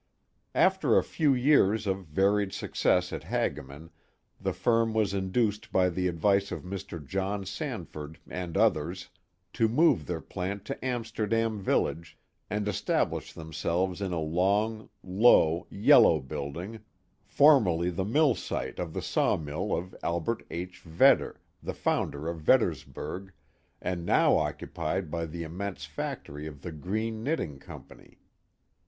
After a few years of varied success at Hagaman, the firm was induced by the advice of Mr. John Sanford and others to move their plant to Amsterdam village and establish them selves in a long, low, yellow building, formerly the mill site KjH| IjH ^^^^^^H Early Industries 333 of the sawmill of Albert H. Vedder, the founder of Vedders burg, and now occupied by the immense factory of the Greene Knitting Company.